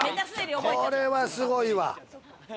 これはすごいわ。